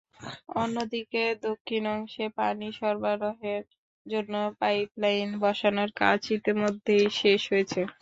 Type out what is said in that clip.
অন্যদিকে দক্ষিণ অংশে পানি সরবরাহের জন্য পাইপলাইন বসানোর কাজ ইতিমধ্যেই শেষ হয়েছে।